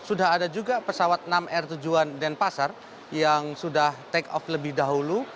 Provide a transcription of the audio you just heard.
dan sudah ada juga pesawat enam r tujuan denpasar yang sudah take off lebih dahulu